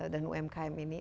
dan umkm ini